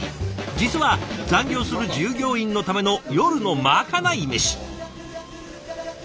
実は残業する従業員のための夜のまかないメシ。